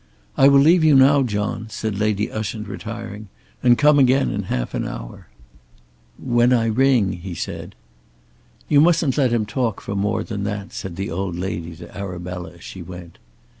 "I will leave you now, John," said Lady Ushant retiring, "and come again in half an hour." "When I ring," he said. "You mustn't let him talk for more than that," said the old lady to Arabella as she went.